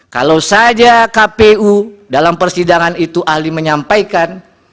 kalau saja kpu dalam persidangan itu ahli menyampaikan